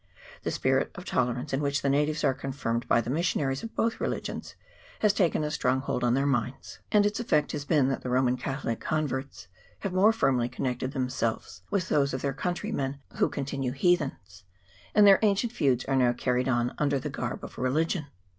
The spirit of intolerance, in which the natives are confirmed by the missionaries of both religions, has taken a strong hold on their minds, and its effect has been, that the Roman Catholic converts have more firmly connected themselves with those of their countrymen who continue heathens ; and their ancient feuds are now carried on under the garb of religion.